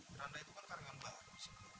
miranda itu kan karyawan baru